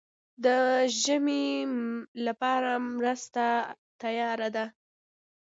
د ژمي لپاره مرستې تیارې دي؟